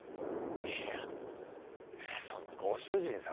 いやそんなご主人様に。